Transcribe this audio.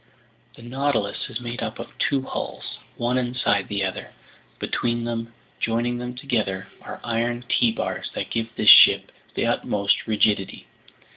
"The Nautilus is made up of two hulls, one inside the other; between them, joining them together, are iron T bars that give this ship the utmost rigidity.